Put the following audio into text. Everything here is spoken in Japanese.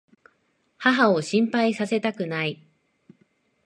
母を心配させたくない。